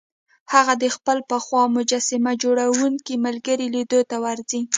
هغه د خپل پخوا مجسمه جوړوونکي ملګري لیدو ته ورځي